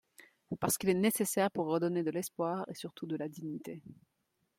parce qu’il est nécessaire pour redonner de l’espoir et surtout de la dignité.